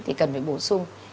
thì cần phải bổ sung